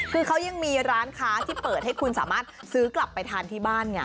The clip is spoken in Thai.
คือเขายังมีร้านค้าที่เปิดให้คุณสามารถซื้อกลับไปทานที่บ้านไง